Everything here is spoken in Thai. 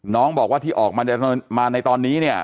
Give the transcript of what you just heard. น้องบอกว่าที่ออกมาในตอนนี้เนี่ย